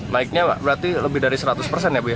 naiknya berarti lebih dari seratus persen ya bu ya